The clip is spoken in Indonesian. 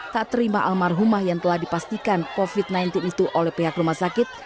tak terima almarhumah yang telah dipastikan covid sembilan belas itu oleh pihak rumah sakit